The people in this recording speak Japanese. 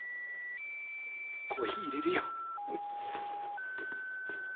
コーヒーいれるよ。